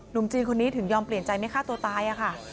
จีนคนนี้ถึงยอมเปลี่ยนใจไม่ฆ่าตัวตายค่ะ